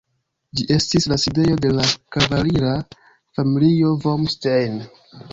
Ĝi estis la sidejo de la kavalira familio vom Stein.